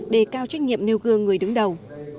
để cao trách nhiệm nêu gương người đứng đầu